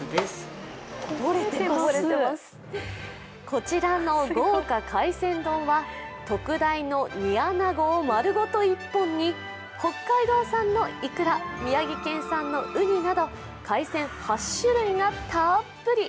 こちらの豪華海鮮丼は特大の煮あなごを丸ごと１本に北海道産のイクラ、宮城県産のうになど海鮮８種類がたっぷり。